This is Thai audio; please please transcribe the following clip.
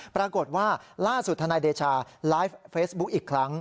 ปรากฏว่าล่าสุดธนายเดชาไลฟ์เฟซบุ๊คอีกครั้ง